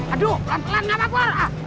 aduh pelan pelan ngapain lu